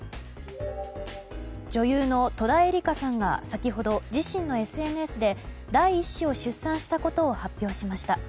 女優の戸田恵梨香さんが先ほど自身のＳＮＳで第１子を出産したことを発表しました。